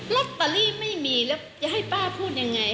ลอตเตอรี่ไม่มีแล้วจะให้ป้าพูดยังไง